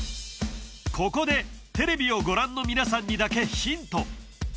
ここでテレビをご覧の皆さんにだけヒント